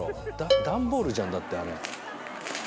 段ボールじゃんだってあれ。